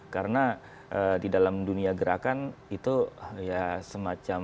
karena di dalam dunia gerakan itu ya semacam